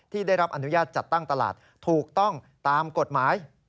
ได้รับอนุญาตจัดตั้งตลาดถูกต้องตามกฎหมาย